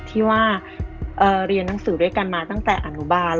ที่ว่าเรียนหนังสือด้วยกันมาตั้งแต่อนุบาล